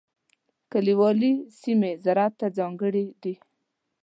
کلیوالي سیمې زراعت ته ځانګړې دي.